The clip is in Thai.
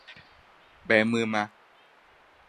แบมือ